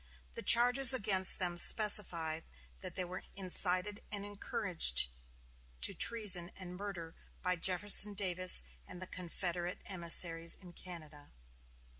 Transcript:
The charges against them specified that they were "incited and encouraged" to treason and murder by Jefferson Davis and the Confederate emissaries in Canada.